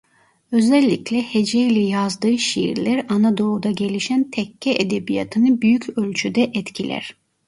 Özellikle heceyle yazdığı şiirler Anadolu'da gelişen tekke edebiyatını büyük ölçüde etkiler.